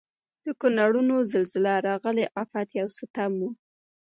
د کونړونو زلزله راغلي افت یو ستم و.